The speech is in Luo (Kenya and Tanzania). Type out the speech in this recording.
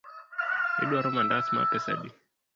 Iduaro mandas mar pesa adi?